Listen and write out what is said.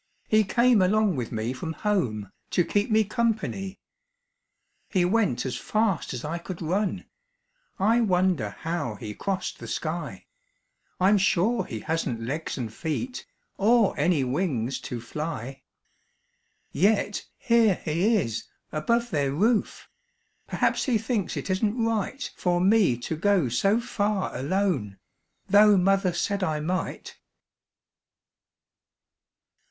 He came along with me from home To keep me company. He went as fast as I could run; I wonder how he crossed the sky? I'm sure he hasn't legs and feet Or any wings to fly. Yet here he is above their roof; Perhaps he thinks it isn't right For me to go so far alone, Tho' mother said I might.